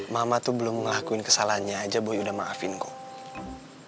mama tuh belum ngelakuin kesalahannya aja boy udah maafin kok